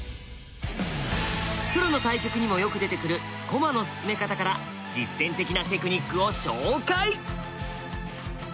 プロの対局にもよく出てくる駒の進め方から実戦的なテクニックを紹介。